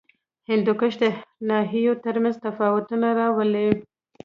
هندوکش د ناحیو ترمنځ تفاوتونه راولي.